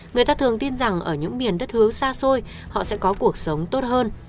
người ta thường tin rằng ở những miền đất hướng xa xôi họ sẽ có cuộc sống tốt hơn